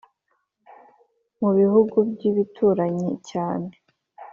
mu bihugu by’ibituranyi cyane